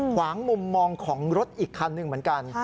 ขวางมุมมองของรถอีกคันหนึ่งเหมือนกัน